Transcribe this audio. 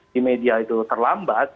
di media itu terlambat